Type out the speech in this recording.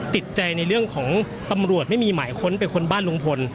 ติดใจในเรื่องของตำรวจไม่มีหมายค้นไปค้นบ้านลุงพล